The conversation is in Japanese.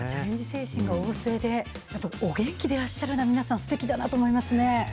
精神が旺盛で、お元気でいらっしゃるな、皆さん、すてきだなと思いますね。